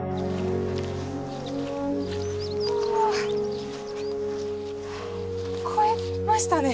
ああ越えましたね。